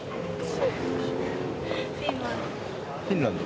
フィンランド？